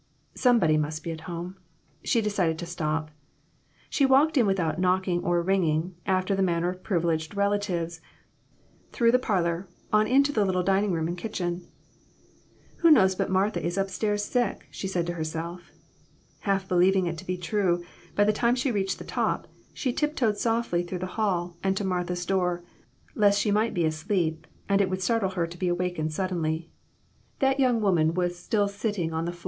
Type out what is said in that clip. Somebody must be at home. She decided to stop. She walked in without knocking or ringing, after the manner of privileged relatives, through the parlor, on into the little dining room and kitchen. "Who knows but Martha is up stairs sick?" she said to herself. Half believing it to be true, by the time she reached the top, she tiptoed softly through the hall and to Martha's door, lest she might be asleep, and it would startle her to be awakened suddenly. That young woman was still sitting on the IMPROMPTU VISITS.